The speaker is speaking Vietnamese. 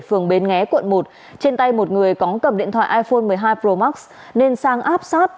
phường bến nghé quận một trên tay một người có cầm điện thoại iphone một mươi hai pro max nên sang áp sát